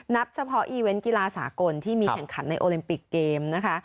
เฉพาะอีเวนต์กีฬาสากลที่มีแข่งขันในโอลิมปิกเกมนะคะ